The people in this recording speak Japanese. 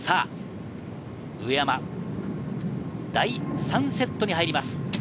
上山、第３セットに入ります。